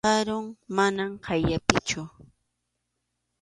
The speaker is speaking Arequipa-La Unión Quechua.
Karum, mana qayllapichu.